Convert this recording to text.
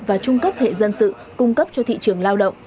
và trung cấp hệ dân sự cung cấp cho thị trường lao động